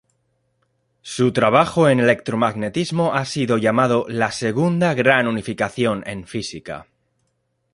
Su trabajo en electromagnetismo ha sido llamado "la segunda gran unificación en física".